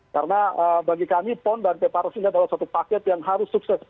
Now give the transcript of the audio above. karena bagi kami pon dan peparus ini adalah satu paket yang harus sukses